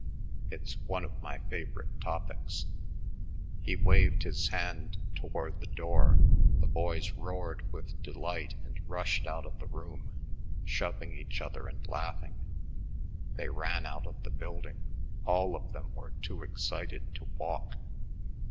It is one of my favorite topics." He waved his hand toward the door; the boys roared with delight and rushed out of the room, shoving each other and laughing. They ran out of the building; all of them were too excited to walk.